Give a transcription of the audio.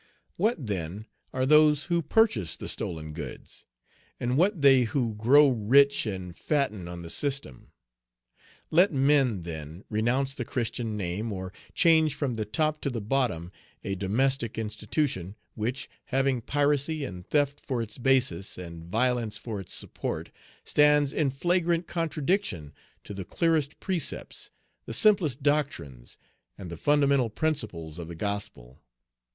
What, then, are those who purchase the stolen goods? And what they who grow rich and fatten on the system? Let men, then, renounce the Christian name, or change from the top to the bottom a "domestic institution," which, having piracy and theft for its basis, and violence for its support, stands in flagrant contradiction to the clearest precepts, the simplest doctrines, and the fundamental principles, of the gospel.